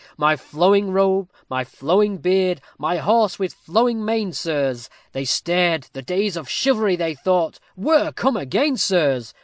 My flowing robe, my flowing beard, my horse with flowing mane, sirs! They stared the days of chivalry, they thought, were come again, sirs!